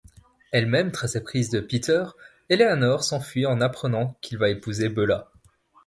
Elle-même très éprise de Peter, Eleanor s'enfuit en apprenant qu'il va épouser Beulah.